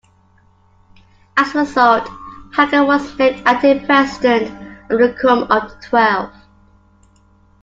As a result, Packer was named Acting President of the Quorum of the Twelve.